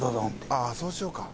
ああそうしようか。